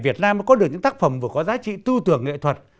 việt nam mới có được những tác phẩm vừa có giá trị tư tưởng nghệ thuật